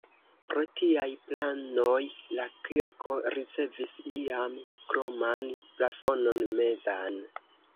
Pro tiaj planoj la kirko ricevis iam kroman plafonon mezan.